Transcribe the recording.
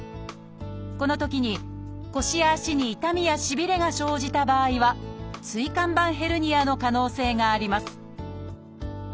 このときに腰や足に痛みやしびれが生じた場合は椎間板ヘルニアの可能性があります。